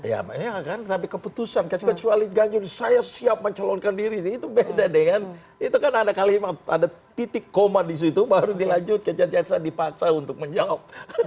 ya kan tapi keputusan kecuali ganjur saya siap mencalonkan diri itu beda dengan itu kan ada kalimat ada titik koma disitu baru dilanjut ke jaksa dipaksa untuk menjawab